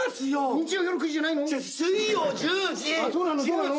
日曜夜９時じゃないの？